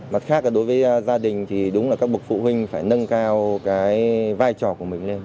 mặt khác đối với gia đình thì đúng là các bậc phụ huynh phải nâng cao cái vai trò của mình lên